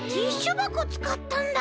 ばこつかったんだ！